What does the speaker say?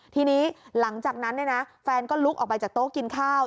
ทีนี้หลังจากนั้นแฟนก็ลุกออกไปจากโต๊ะกินข้าว